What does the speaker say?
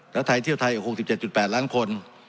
แล้วไทยเที่ยวไทยหนึ่งคูก๑๗๘ล้านคน